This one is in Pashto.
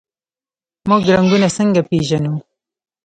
موږ رنګونه څنګه پیژنو؟